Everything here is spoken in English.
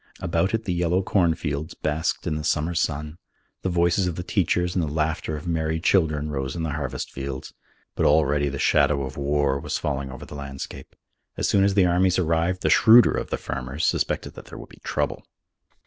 About it the yellow cornfields basked in the summer sun. The voices of the teachers and the laughter of merry children rose in the harvest fields. But already the shadow of war was falling over the landscape. As soon as the armies arrived, the shrewder of the farmers suspected that there would be trouble.